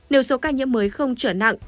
nếu số ca nhiễm mới không trở nặng